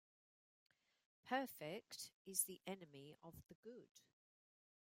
Perfect is the enemy of the good.